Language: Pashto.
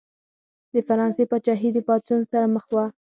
د فرانسې پاچاهي د پاڅون سره مخ وه.